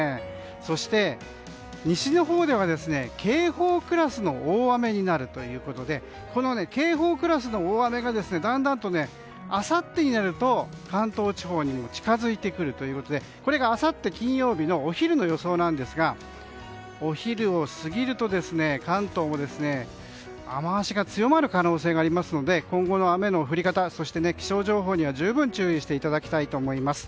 そして、西のほうでは警報クラスの大雨になるということで警報クラスの大雨がだんだんと、あさってになると関東地方に近づいてくるということでこれが、あさって金曜日お昼の予想ですがお昼を過ぎると、関東も雨脚が強まる可能性がありますので今後の雨の降り方、気象情報には十分に注意していただきたいと思います。